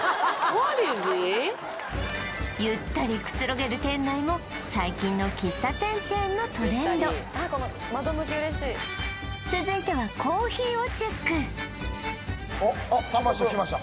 ゆったりくつろげる店内も最近の喫茶店チェーンのトレンド続いてはおっ早速きました